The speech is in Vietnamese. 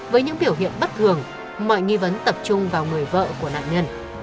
với những biểu hiện bất thường mọi nghi vấn tập trung vào người vợ của nạn nhân